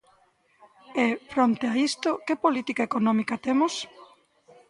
E, fronte a isto, ¿que política económica temos?